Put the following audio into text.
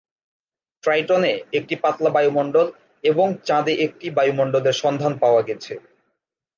Triton এ একটি পাতলা বায়ুমণ্ডল, এবং চাঁদে একটি বায়ুমণ্ডলের সন্ধান পাওয়া গেছে।